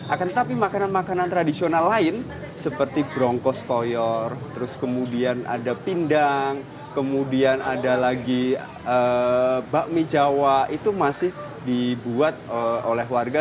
akan tetapi makanan makanan tradisional lain seperti bronkos koyor terus kemudian ada pindang kemudian ada lagi bakmi jawa itu masih dibuat oleh warga